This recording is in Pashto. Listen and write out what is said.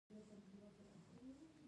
زما په څیر ډیر خلک د ډیر وخت لپاره راځي